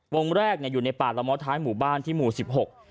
วงแรกเนี่ยอยู่ในป่าละม้อท้ายหมู่บ้านที่หมู่สิบหก